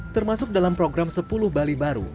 termasuk dalam program sepuluh bali baru